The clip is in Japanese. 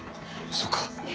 そうか。